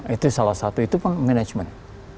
itu salah satu itu management